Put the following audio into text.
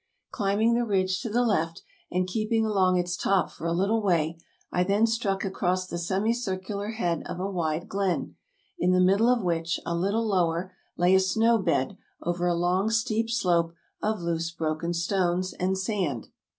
Climbing the ridge to the left, and keeping along its top for a little way, I then struck across the semicircular head of a wide glen, in the middle of which, a little lower, lay a snow bed over a long steep slope of loose broken stones and sand.